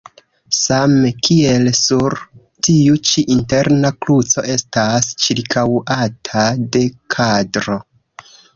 Same kiel sur tiu ĉi interna kruco estas ĉirkaŭata de kadro.